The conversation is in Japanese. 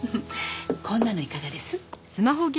こんなのいかがです？